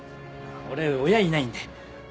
俺親いないんで。